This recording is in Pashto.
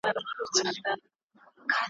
نیمايی ډوډۍ یې نه وه لا خوړلې ,